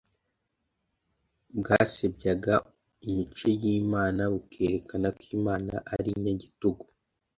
bwasebyaga imico y'Imana bukerekana ko Imana ari inyagitugu.